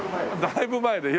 だいぶ前ね。